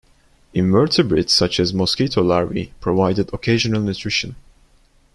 Invertebrates such as mosquito larvae provided occasional nutrition.